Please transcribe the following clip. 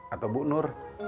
atau bu nur